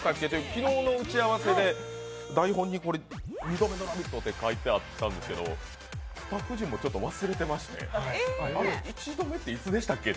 昨日の打ち合わせで台本に２度目の「ラヴィット！」って書いてあったんですけどスタッフ陣もちょっと忘れてまして、１度目っていつでしたっけ？